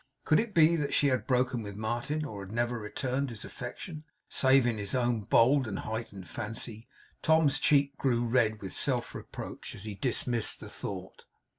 Could it be that she had broken with Martin, or had never returned his affection, save in his own bold and heightened fancy? Tom's cheek grew red with self reproach as he dismissed the thought.